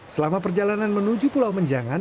selama perjalanan menuju pulau menjangan